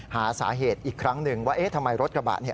หาสาเหตุอีกครั้งหนึ่งว่าทำไมรถกระบะ